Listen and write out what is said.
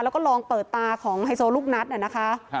แล้วก็ลองเปิดตาของไฮโซลูกนัดน่ะนะคะ